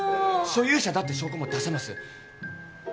所有者だって証拠も出せます。